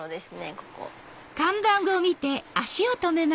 ここ。